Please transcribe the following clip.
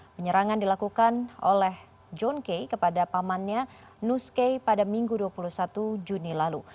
penyerangan dilakukan oleh john k kepada pamannya nus kay pada minggu dua puluh satu juni lalu